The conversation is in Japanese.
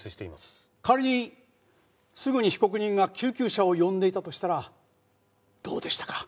仮にすぐに被告人が救急車を呼んでいたとしたらどうでしたか？